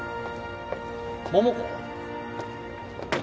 桃子？